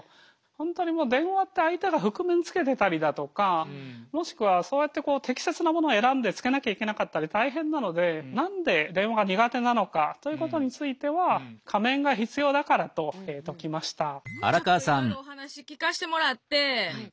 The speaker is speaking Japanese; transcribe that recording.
本当にもう電話って相手が覆面つけてたりだとかもしくはそうやってこう適切なものを選んでつけなきゃいけなかったり大変なので何で電話が苦手なのかということについては「仮面が必要だから」と解きました。